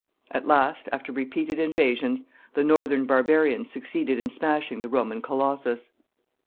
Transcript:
At last, after repeated invasions, the Northern barbarians succeeded in smashing the Roman Colossus.